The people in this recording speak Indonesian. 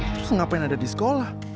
terus ngapain ada di sekolah